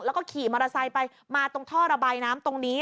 แล้วก็ขี่มอเตอร์ไซค์ไปมาตรงท่อระบายน้ำตรงนี้